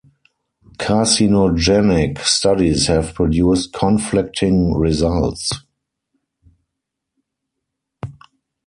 Carcinogenic studies have produced conflicting results.